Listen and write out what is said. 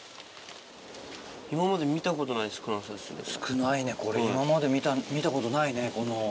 少ないねこれ今まで見たことないねこの。